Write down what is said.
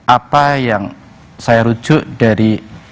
apa yang saya rujuk dari